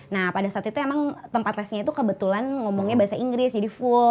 nah pada saat itu emang tempat tesnya itu kebetulan ngomongnya bahasa inggris jadi full